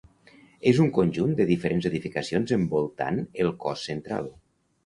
És un conjunt de diferents edificacions envoltant el cos central.